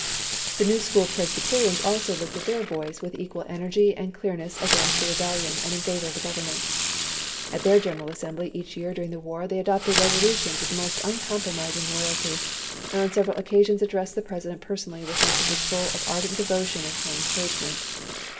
The New School Presbyterians also lifted their voice with equal energy and clearness against the rebellion and in favor of the Government. At their General Assembly each year during the war they adopted resolutions of the most uncompro mising loyalty, and on several occasions addressed the President personally with messages full of ardent devotion and high encouragement.